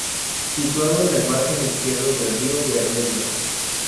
Situado en el margen izquierdo del río Bernesga.